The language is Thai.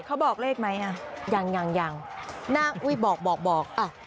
เขาบอกเลขไหมยังบอก